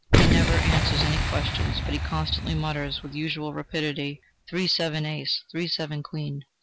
He never answers any questions, but he constantly mutters with unusual rapidity: "Three, seven, ace!" "Three, seven, queen!"